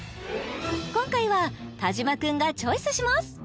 今回は田島君がチョイスします